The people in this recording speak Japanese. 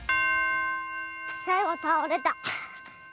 さいごたおれた。